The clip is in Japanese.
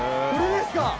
これですか？